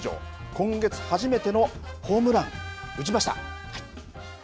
今月初めてのホームラン打ちました。